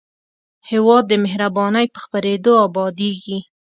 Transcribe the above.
هېواد د مهربانۍ په خپرېدو ابادېږي.